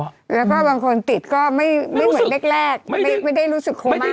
แล้วก็บางคนติดก็ไม่เหมือนแรกไม่ได้รู้สึกโคม่า